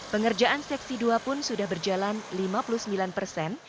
pengerjaan seksi dua pun sudah berjalan lima puluh sembilan persen